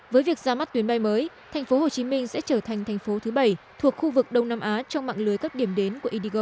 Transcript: với việc ra mắt tuyến bay mới tp hcm sẽ trở thành thành phố thứ bảy thuộc khu vực đông nam á trong mạng lưới các điểm đến của indigo